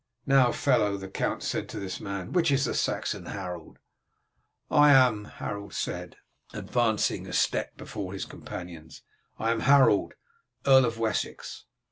"Now, fellow," the count said to this man, "which is the Saxon Harold?" "I am," Harold said, advancing a step before his companions. "I am Harold, Earl of Wessex.